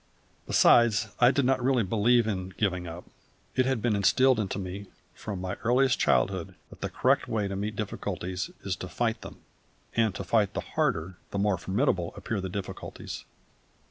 Besides, I did not really believe in "giving up". It had been instilled into me from my earliest childhood that the correct way to meet difficulties is to fight them, and to fight the harder the more formidable appear the difficulties.